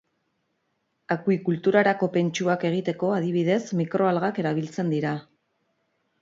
Akuikulturarako pentsuak egiteko, adibidez, mikroalgak erabiltzen dira.